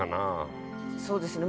そうですね